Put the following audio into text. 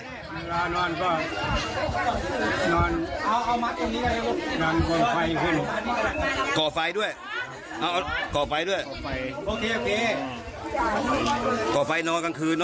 เวลานอนก็นอนเอาเอามาที่นี้เลยครับก่อนไฟขึ้น